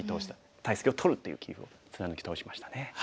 大石を取るっていう棋風を貫き通しましたね。